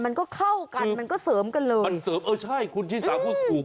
มันก็เข้ากันมันก็เสริมกันเลยมันเสริมเออใช่คุณชิสาพูดถูก